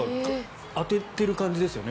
当ててる感じですよね。